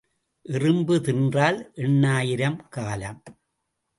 எறும்பு தின்றால் எண்ணாயிரம் காலம்.